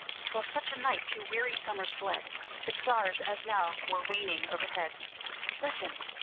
'Twas such a night two weary summers fled; The stars, as now, were waning overhead. Listen!